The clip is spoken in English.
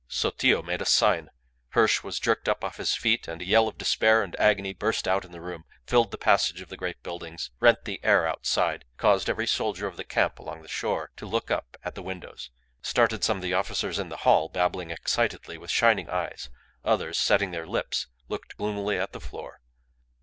Sotillo made a sign. Hirsch was jerked up off his feet, and a yell of despair and agony burst out in the room, filled the passage of the great buildings, rent the air outside, caused every soldier of the camp along the shore to look up at the windows, started some of the officers in the hall babbling excitedly, with shining eyes; others, setting their lips, looked gloomily at the floor.